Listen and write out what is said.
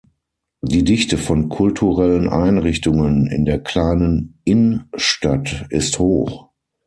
Die Dichte von kulturellen Einrichtungen in der kleinen Inn-Stadt ist hoch.